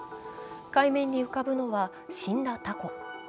海面に浮かぶのは、死んだたこ。